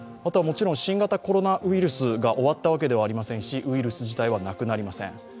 もちろん新型コロナウイルスが終わったわけではありませんしウイルス自体はなくなりません。